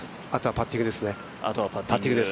あとはパッティングですね。